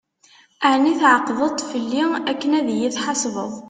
Ɛni tεeqdeḍ-t fell-i akken ad yi-d-tḥesbeḍ?